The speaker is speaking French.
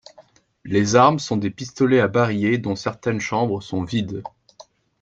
Les armes sont des pistolets à barillet dont certaines chambres sont vides.